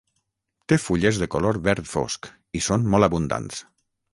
Té fulles de color verd fosc i són molt abundants.